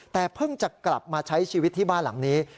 แต่เพิ่งจะกลับมาใช้ชีวิตที่บ้านหลังนี้